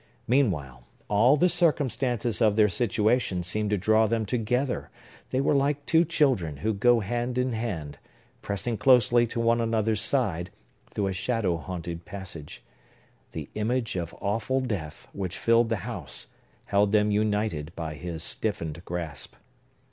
Meanwhile, all the circumstances of their situation seemed to draw them together; they were like two children who go hand in hand, pressing closely to one another's side, through a shadow haunted passage. The image of awful Death, which filled the house, held them united by his stiffened grasp.